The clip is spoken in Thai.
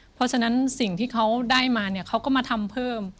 เพราะฉะนั้นสิ่งที่เขาได้มาเนี่ยเขาก็มาทำเพิ่ม